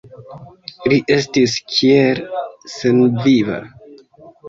Li estis kiel senviva.